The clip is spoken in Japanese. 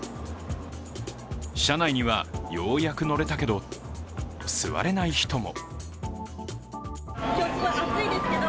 車内には、ようやく乗れたけど座れない人も。